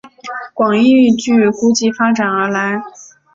广义矩估计发展而来。